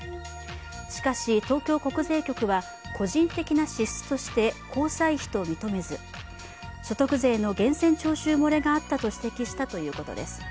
しかし、東京国税局は個人的な支出として交際費と認めず、所得税の源泉徴収漏れがあったと指摘したということです。